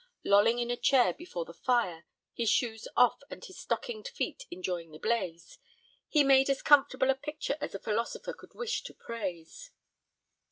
Lolling in a chair before the fire, his shoes off and his stockinged feet enjoying the blaze, he made as comfortable a picture as a philosopher could wish to praise.